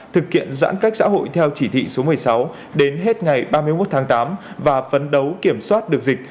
thực hiện giãn cách xã hội theo chỉ thị số một mươi sáu đến hết ngày ba mươi một tháng tám và phấn đấu kiểm soát được dịch